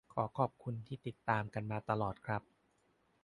ขอขอบคุณที่ติดตามกันมาตลอดครับ